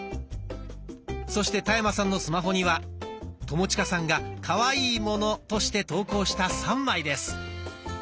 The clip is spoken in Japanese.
そして田山さんのスマホには友近さんが「可愛いもの」として投稿した３枚です。